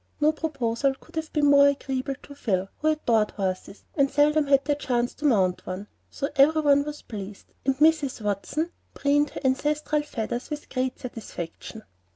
No proposal could have been more agreeable to Phil, who adored horses, and seldom had the chance to mount one; so every one was pleased, and Mrs. Watson preened her ancestral feathers with great satisfaction.